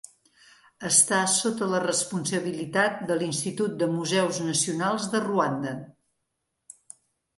Està sota la responsabilitat de l'Institut de Museus Nacionals de Ruanda.